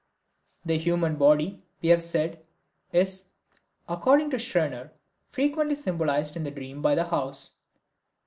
The human body, we have said, is, according to Scherner, frequently symbolized in the dream by the house.